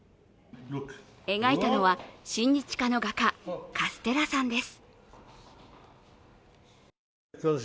描いたのは親日家の画家、カステラさんです。